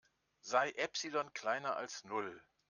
Sei Epsilon kleiner als Null.